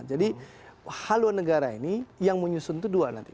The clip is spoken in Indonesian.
jadi haluan negara ini yang menyusun itu dua nanti